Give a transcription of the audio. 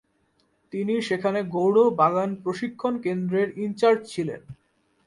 তিনি সেখানে গৌড় বাগান প্রশিক্ষণ কেন্দ্রের ইনচার্জ ছিলেন।